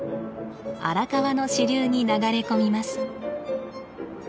荒川の支流に流れ込みます。